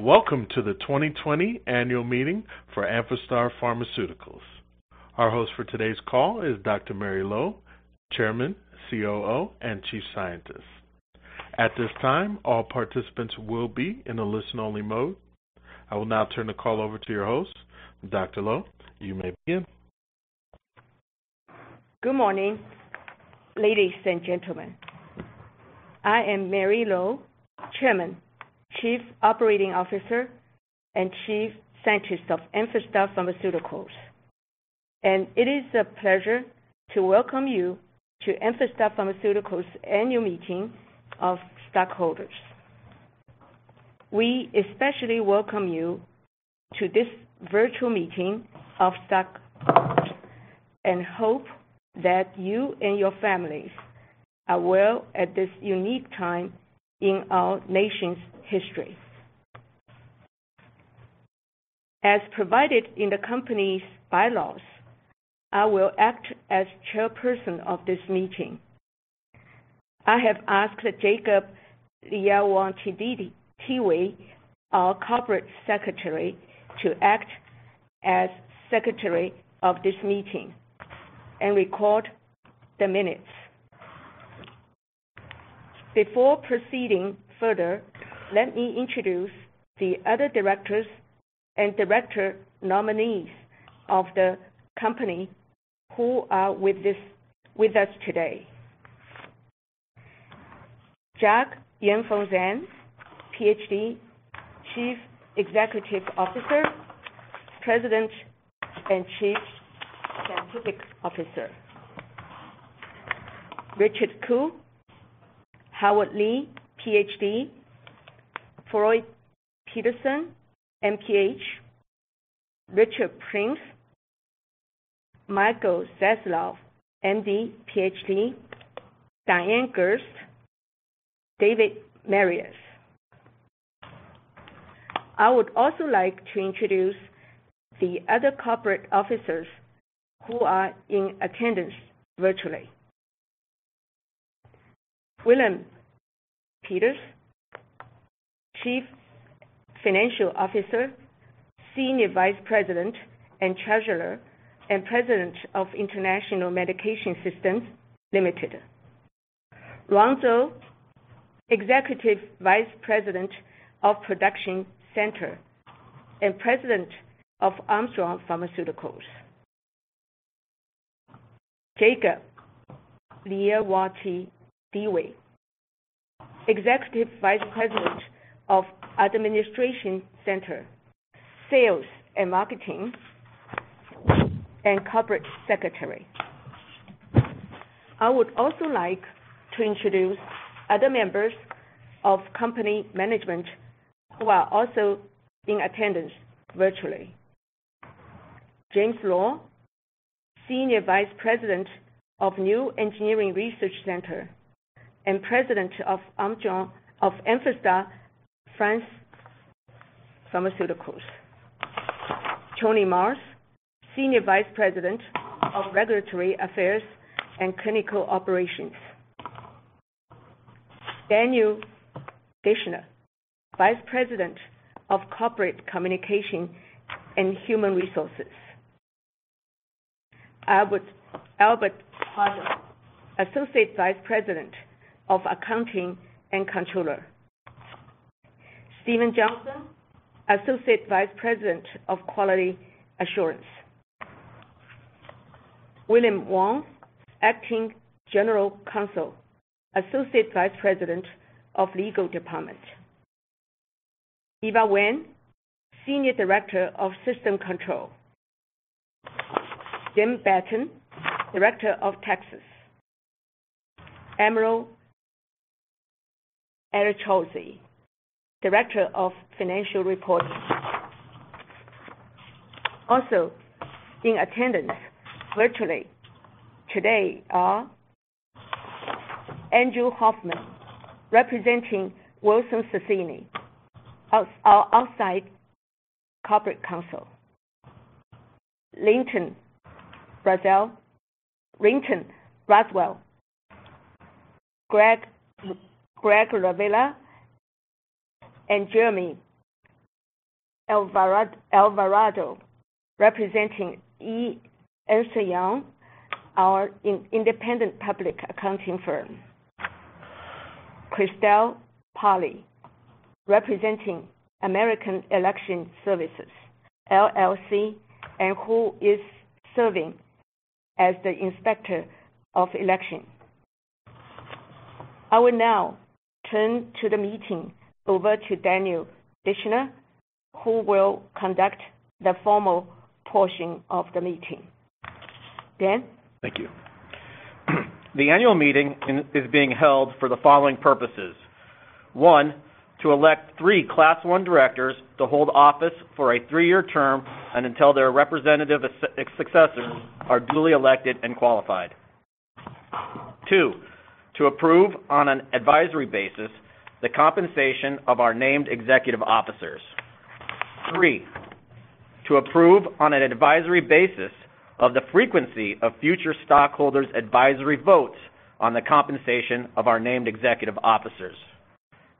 Welcome to the 2020 Annual Meeting for Amphastar Pharmaceuticals. Our host for today's call is Dr. Mary Z. Luo, Chairman, COO, and Chief Scientist. At this time, all participants will be in a listen-only mode. I will now turn the call over to your host, Dr. Luo. You may begin. Good morning, ladies and gentlemen. I am Mary Z. Luo, Chairman, Chief Operating Officer, and Chief Scientist of Amphastar Pharmaceuticals. It is a pleasure to welcome you to Amphastar Pharmaceuticals' Annual Meeting of Stockholders. We especially welcome you to this virtual meeting of stakeholders and hope that you and your families are well at this unique time in our nation's history. As provided in the company's bylaws, I will act as Chairperson of this meeting. I have asked Jacob Liawatidewi, our Corporate Secretary, to act as Secretary of this meeting and record the minutes. Before proceeding further, let me introduce the other directors and director nominees of the company who are with us today: Jack Y. Zhang, Ph.D., Chief Executive Officer, President and Chief Scientific Officer. Richard Koo, Howard Lee, Ph.D. Floyd F. Petersen, M.P.H. Richard Prins, Michael A. Zasloff, M.D., Ph.D. Diane G. Gerst, David Maris. I would also like to introduce the other Corporate Officers who are in attendance virtually: William Peters, Chief Financial Officer, Senior Vice President and Treasurer, and President of International Medication Systems, Limited. Rong Zhou, Executive Vice President of Production Center and President of Armstrong Pharmaceuticals. Jacob Liawatidewi, Executive Vice President of Administration Center, Sales and Marketing, and Corporate Secretary. I would also like to introduce other members of company management who are also in attendance virtually: James Law, Senior Vice President of New Engineering Research Center and President of Amphastar Pharmaceuticals, Tony Marrs, Senior Vice President of Regulatory Affairs and Clinical Operations, Daniel Dischner, Vice President of Corporate Communications and Human Resources, Albert Paez, Associate Vice President of Accounting and Controller, Stephen Johnson, Associate Vice President of Quality Assurance, William Wong, Acting General Counsel, Associate Vice President of Legal Department, Eva Wen, Senior Director of System Control, Jim Batten, Director of Taxes, Amir Al-Ghazi, Director of Financial Reporting. Also in attendance virtually today are Andrew Hoffman, representing Wilson Sonsini, our outside Corporate Counsel, Linton Braswell, Greg Riehl, and Jeremy Alvarado, representing Ernst & Young, our independent public accounting firm, Crystal Pauley, representing American Election Services LLC, and who is serving as the Inspector of Elections. I will now turn the meeting over to Daniel Dischner, who will conduct the formal portion of the meeting. Dan? Thank you. The Annual Meeting is being held for the following purposes: One, to elect three Class I Directors to hold office for a three-year term and until their representative successors are duly elected and qualified. Two, to approve on an advisory basis the compensation of our named executive officers. Three, to approve on an advisory basis of the frequency of future shareholders' advisory votes on the compensation of our named executive officers.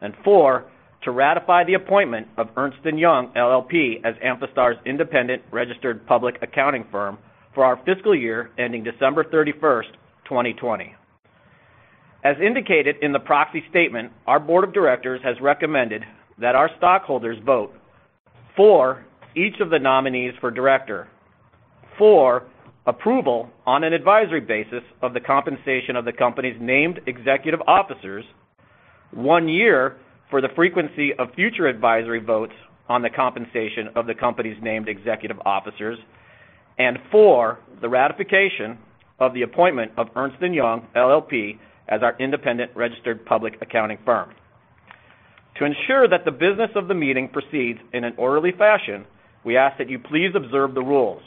And four, to ratify the appointment of Ernst & Young LLP as Amphastar's independent registered public accounting firm for our fiscal year ending December 31, 2020. As indicated in the proxy statement, our Board of Directors has recommended that our stakeholders vote for each of the nominees for Director, for approval on an advisory basis of the compensation of the company's named executive officers, one year for the frequency of future advisory votes on the compensation of the company's named executive officers, and for the ratification of the appointment of Ernst & Young LLP as our independent registered public accounting firm. To ensure that the business of the meeting proceeds in an orderly fashion, we ask that you please observe the rules.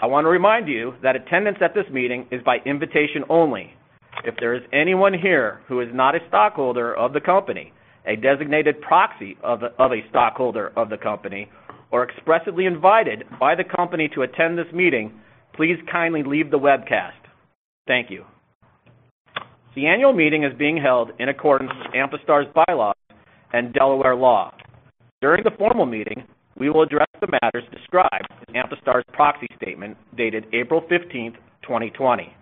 I want to remind you that attendance at this meeting is by invitation only. If there is anyone here who is not a stakeholder of the company, a designated proxy of a stakeholder of the company, or expressly invited by the company to attend this meeting, please kindly leave the webcast. Thank you. The Annual Meeting is being held in accordance with Amphastar's bylaws and Delaware law. During the formal meeting, we will address the matters described in Amphastar's proxy statement dated April 15, 2020.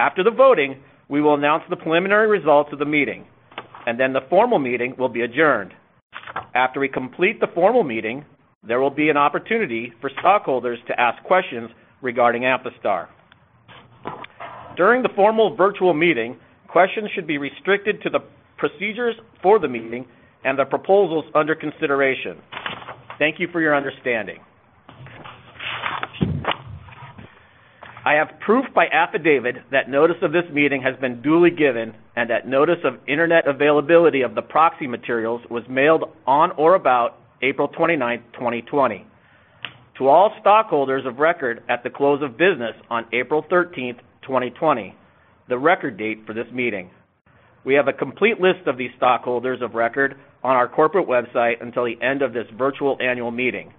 After the voting, we will announce the preliminary results of the meeting, and then the formal meeting will be adjourned. After we complete the formal meeting, there will be an opportunity for stakeholders to ask questions regarding Amphastar. During the formal virtual meeting, questions should be restricted to the procedures for the meeting and the proposals under consideration. Thank you for your understanding. I have proof by affidavit that notice of this meeting has been duly given and that notice of internet availability of the proxy materials was mailed on or about April 29, 2020. To all stakeholders of record at the close of business on April 13, 2020, the record date for this meeting. We have a complete list of these stockholders of record on our corporate website until the end of this virtual Annual Meeting.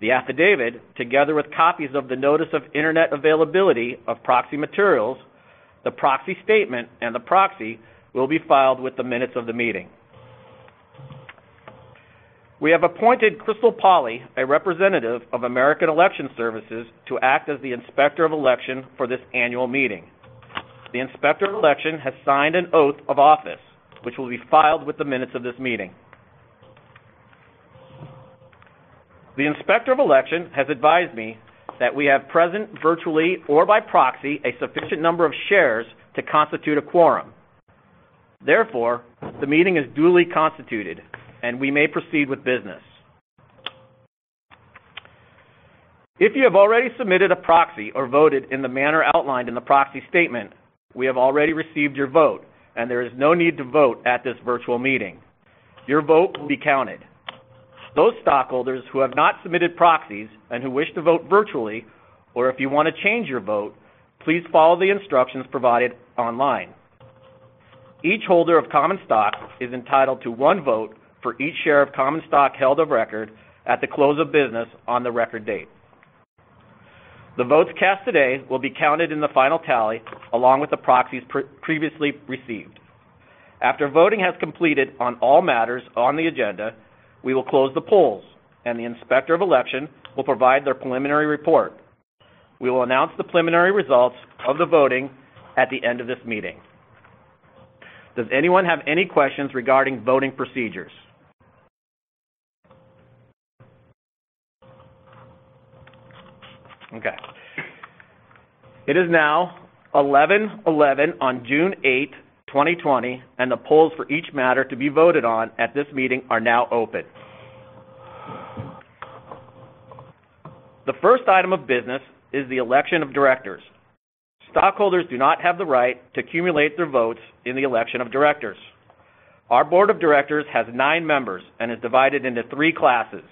The affidavit, together with copies of the notice of internet availability of proxy materials, the proxy statement, and the proxy, will be filed with the minutes of the meeting. We have appointed Crystal Pauley, a representative of American Election Services, to act as the Inspector of Election for this Annual Meeting. The Inspector of Election has signed an oath of office, which will be filed with the minutes of this meeting. The Inspector of Election has advised me that we have present virtually or by proxy a sufficient number of shares to constitute a quorum. Therefore, the meeting is duly constituted, and we may proceed with business. If you have already submitted a proxy or voted in the manner outlined in the proxy statement, we have already received your vote, and there is no need to vote at this virtual meeting. Your vote will be counted. Those stakeholders who have not submitted proxies and who wish to vote virtually, or if you want to change your vote, please follow the instructions provided online. Each holder of common stock is entitled to one vote for each share of common stock held of record at the close of business on the record date. The votes cast today will be counted in the final tally along with the proxies previously received. After voting has completed on all matters on the agenda, we will close the polls, and the Inspector of Election will provide their preliminary report. We will announce the preliminary results of the voting at the end of this meeting. Does anyone have any questions regarding voting procedures? Okay. It is now 11:11 A.M. on June 8, 2020, and the polls for each matter to be voted on at this meeting are now open. The first item of business is the election of directors. Stakeholders do not have the right to accumulate their votes in the election of directors. Our Board of Directors has nine members and is divided into three classes,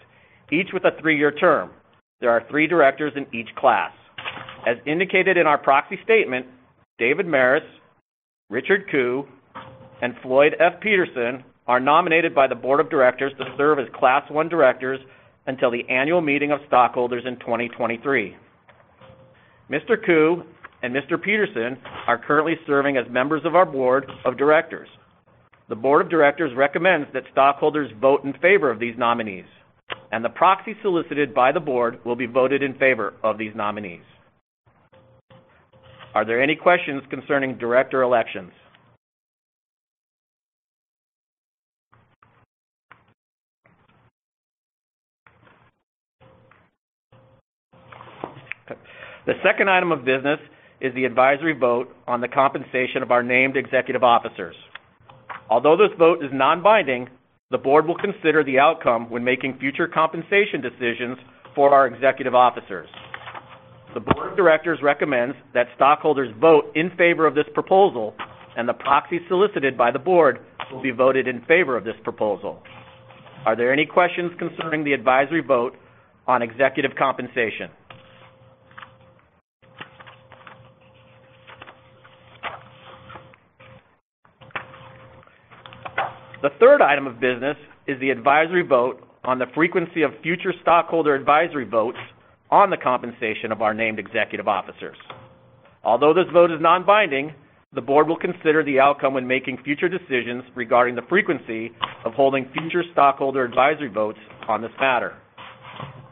each with a three-year term. There are three directors in each class. As indicated in our proxy statement, David Maris, Richard Koo, and Floyd F. Petersen are nominated by the Board of Directors to serve as Class I Directors until the Annual Meeting of Stakeholders in 2023. Mr. Koo and Mr. Petersen are currently serving as members of our Board of Directors. The Board of Directors recommends that stakeholders vote in favor of these nominees, and the proxy solicited by the Board will be voted in favor of these nominees. Are there any questions concerning director elections? The second item of business is the advisory vote on the compensation of our named executive officers. Although this vote is non-binding, the Board will consider the outcome when making future compensation decisions for our executive officers. The Board of Directors recommends that stakeholders vote in favor of this proposal, and the proxy solicited by the Board will be voted in favor of this proposal. Are there any questions concerning the advisory vote on executive compensation? The third item of business is the advisory vote on the frequency of future stakeholder advisory votes on the compensation of our named executive officers. Although this vote is non-binding, the Board will consider the outcome when making future decisions regarding the frequency of holding future stakeholder advisory votes on this matter.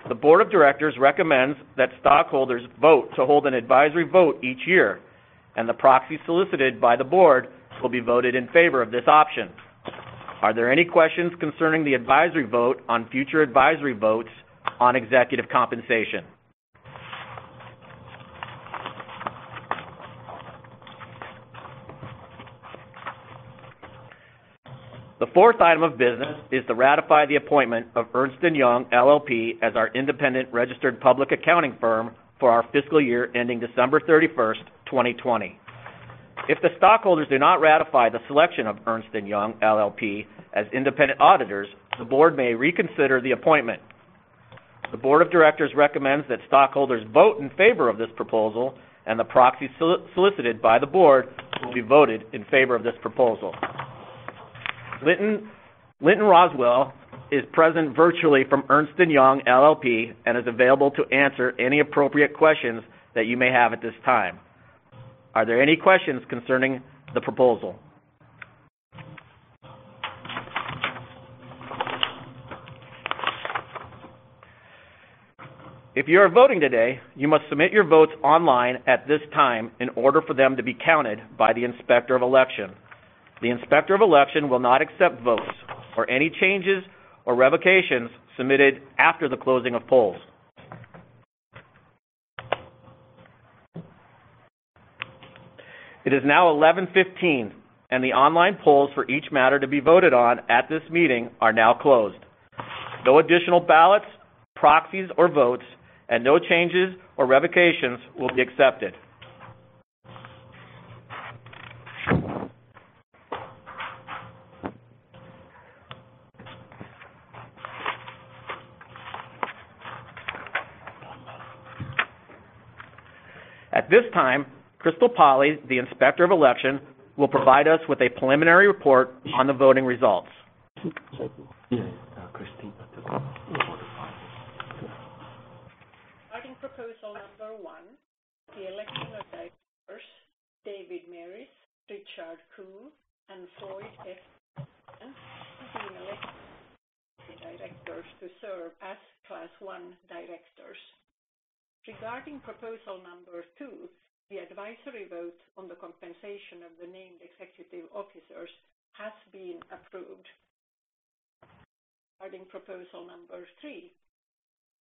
The Board of Directors recommends that stakeholders vote to hold an advisory vote each year, and the proxy solicited by the Board will be voted in favor of this option. Are there any questions concerning the advisory vote on future advisory votes on executive compensation? The fourth item of business is to ratify the appointment of Ernst & Young LLP as our independent registered public accounting firm for our fiscal year ending December 31, 2020. If the stakeholders do not ratify the selection of Ernst & Young LLP as independent auditors, the Board may reconsider the appointment. The Board of Directors recommends that stakeholders vote in favor of this proposal, and the proxy solicited by the Board will be voted in favor of this proposal. Linton B. Braswell is present virtually from Ernst & Young LLP and is available to answer any appropriate questions that you may have at this time. Are there any questions concerning the proposal? If you are voting today, you must submit your votes online at this time in order for them to be counted by the Inspector of Election. The Inspector of Election will not accept votes or any changes or revocations submitted after the closing of polls. It is now 11:15 A.M., and the online polls for each matter to be voted on at this meeting are now closed. No additional ballots, proxies, or votes, and no changes or revocations will be accepted. At this time, Crystal Pauley, the Inspector of Elections, will provide us with a preliminary report on the voting results. Regarding proposal number one, the election of directors David Maris, Richard Koo, and Floyd F. Petersen have been elected as the directors to serve as Class I Directors. Regarding proposal number two, the advisory vote on the compensation of the named executive officers has been approved. Regarding proposal number three,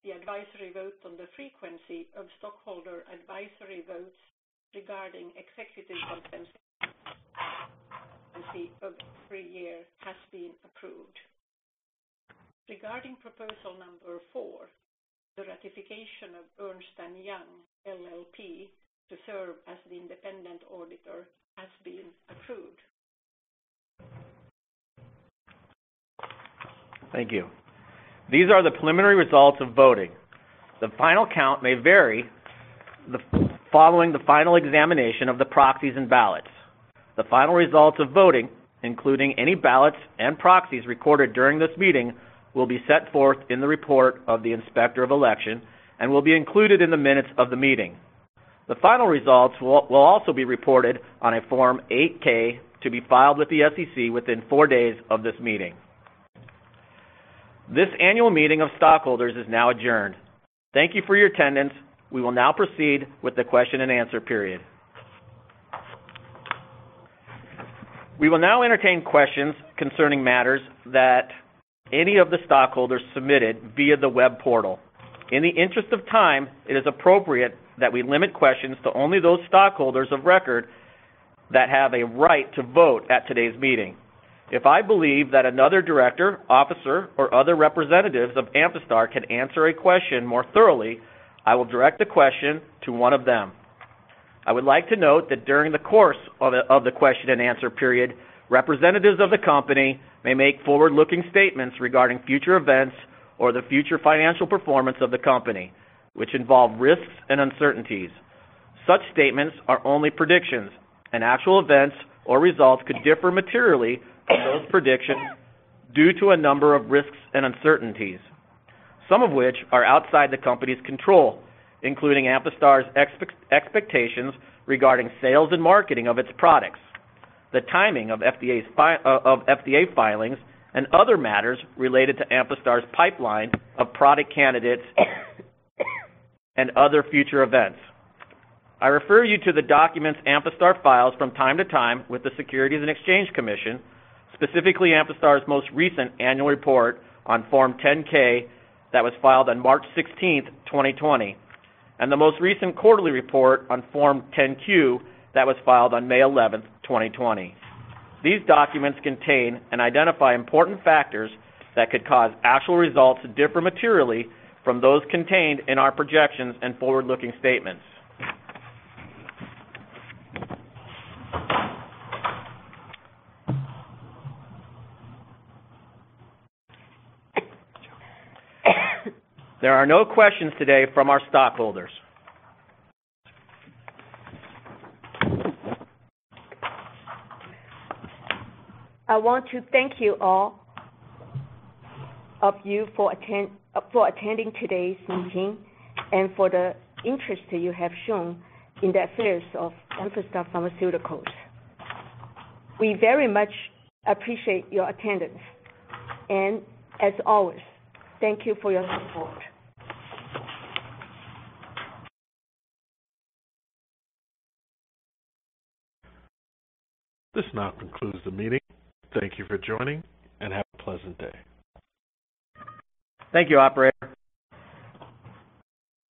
the advisory vote on the frequency of stakeholder advisory votes regarding executive compensation of every year has been approved. Regarding proposal number four, the ratification of Ernst & Young LLP to serve as the independent auditor has been approved. Thank you. These are the preliminary results of voting. The final count may vary following the final examination of the proxies and ballots. The final results of voting, including any ballots and proxies recorded during this meeting, will be set forth in the report of the Inspector of Election and will be included in the minutes of the meeting. The final results will also be reported on a Form 8-K to be filed with the SEC within four days of this meeting. This Annual Meeting of Stakeholders is now adjourned. Thank you for your attendance. We will now proceed with the question and answer period. We will now entertain questions concerning matters that any of the stakeholders submitted via the web portal. In the interest of time, it is appropriate that we limit questions to only those stakeholders of record that have a right to vote at today's meeting. If I believe that another director, officer, or other representatives of Amphastar can answer a question more thoroughly, I will direct the question to one of them. I would like to note that during the course of the question and answer period, representatives of the company may make forward-looking statements regarding future events or the future financial performance of the company, which involve risks and uncertainties. Such statements are only predictions, and actual events or results could differ materially from those predictions due to a number of risks and uncertainties, some of which are outside the company's control, including Amphastar's expectations regarding sales and marketing of its products, the timing of FDA filings, and other matters related to Amphastar's pipeline of product candidates and other future events. I refer you to the documents Amphastar files from time to time with the Securities and Exchange Commission, specifically Amphastar's most recent Annual Report on Form 10-K that was filed on March 16, 2020, and the most recent quarterly report on Form 10-Q that was filed on May 11, 2020. These documents contain and identify important factors that could cause actual results to differ materially from those contained in our projections and forward-looking statements. There are no questions today from our stakeholders. I want to thank you all of you for attending today's meeting and for the interest that you have shown in the affairs of Amphastar Pharmaceuticals. We very much appreciate your attendance, and as always, thank you for your support. This now concludes the meeting. Thank you for joining, and have a pleasant day. Thank you, Operator.